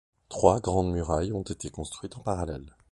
Trois grandes murailles ont été construites en parallèle.